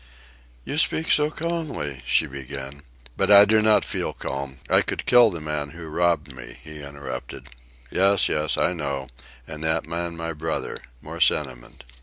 "You speak so calmly—" she began. "But I do not feel calm; I could kill the man who robbed me," he interrupted. "Yes, yes, I know, and that man my brother—more sentiment!